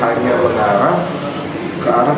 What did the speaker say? hanya mengarah ke arah